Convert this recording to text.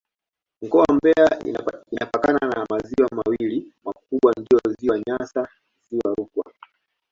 Mkoa wa Mbeya inapakana na maziwa mawili makubwa ndiyo Ziwa Nyasa na Ziwa Rukwa.